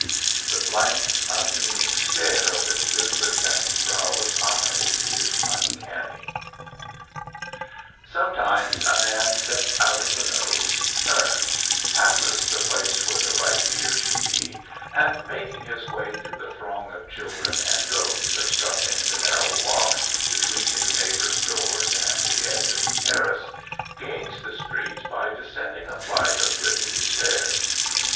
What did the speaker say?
The blank, unmeaning stare of its lidless and browless eyes is uncanny. Sometimes a man steps out of the nose, turns, passes the place where the right ear should be and making his way through the throng of children and goats obstructing the narrow walk between his neighbors' doors and the edge of the terrace gains the street by descending a flight of rickety stairs.